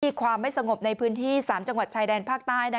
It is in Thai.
ความไม่สงบในพื้นที่๓จังหวัดชายแดนภาคใต้